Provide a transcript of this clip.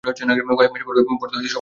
কয়েক মাস পরেতো সবাই জেনেই যাবে।